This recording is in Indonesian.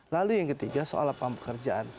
lalu yang ketiga soal pampekerjaan